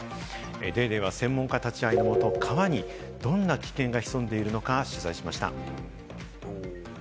『ＤａｙＤａｙ．』は専門家立ち会いのもと、川にどんな危険性が潜んでいるのか取材しました。